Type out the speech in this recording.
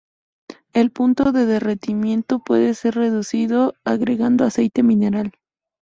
El punto de derretimiento puede ser reducido agregando aceite mineral.